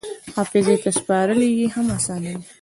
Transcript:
حافظې ته سپارل یې هم اسانه دي.